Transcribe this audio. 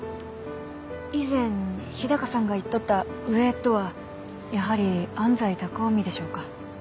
以前日高さんが言っとった「上」とはやはり安斎高臣でしょうか。